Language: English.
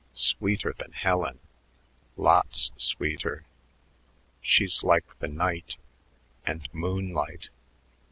Sweeter than Helen lots sweeter.... She's like the night and moonlight....